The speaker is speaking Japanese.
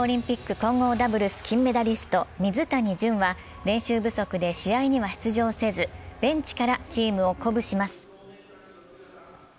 混合ダブルス金メダリスト・水谷隼は練習不足で試合には出場せずベンチからチームを鼓舞します。